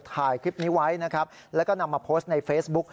ถ่ายคลิปนี้ไว้นะครับแล้วก็นำมาโพสต์ในเฟซบุ๊ก